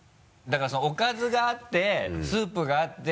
だからおかずがあってスープがあって。